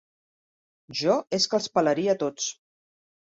Jo és que els pelaria a tots.